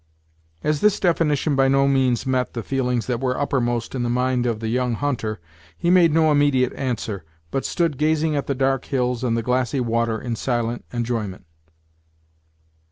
As this definition by no means met the feelings that were uppermost in the mind of the young hunter, he made no immediate answer, but stood gazing at the dark hills and the glassy water in silent enjoyment.